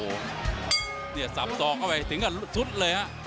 โอ้โหเนี่ยสับซอกเข้าไว้สิ่งที่สุดเลยครับ